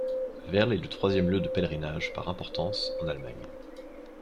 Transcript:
Werl est le troisième lieu de pèlerinage par importance en Allemagne.